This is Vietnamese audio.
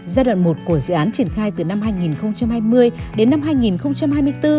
giai đoạn một của dự án triển khai từ năm hai nghìn hai mươi đến năm hai nghìn hai mươi bốn